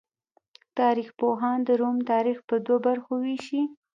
تاریخ پوهان د روم تاریخ په دوو برخو ویشي.